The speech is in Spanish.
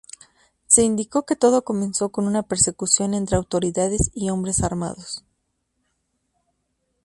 Se indicó que todo comenzó con una persecución entre autoridades y hombres armados.